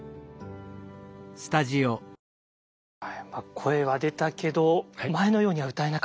声は出たけど前のようには歌えなかった。